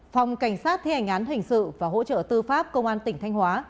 phòng cảnh sát thi hành án hình sự và hỗ trợ tư pháp công an tỉnh thanh hóa